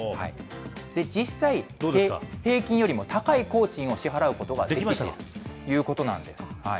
実際、平均よりも高い工賃を支払うことができているということなんですね。